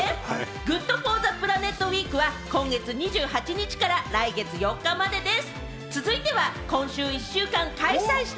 ＧｏｏｄＦｏｒＴｈｅＰｌａｎｅｔウィークは今月２８日から来月４日までです。